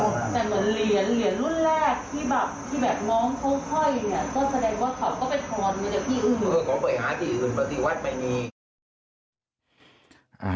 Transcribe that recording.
ก็แสดงว่าเขาก็ไปทอนไม่ได้พี่อื่น